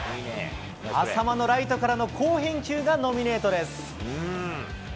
淺間のライトからの好返球がノミネートです。